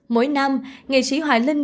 mỗi năm nghệ sĩ hoài linh